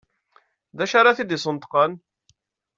D acu ara t-id-yesneṭqen?